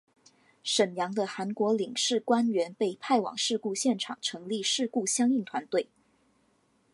沈阳的韩国领事官员被派往事故现场成立事故相应团队。